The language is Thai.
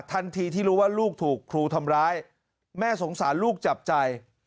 ทันทีที่รู้ว่าลูกถูกครูทำร้ายแม่สงสารลูกจับใจ